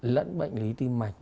lẫn bệnh lý tim mạch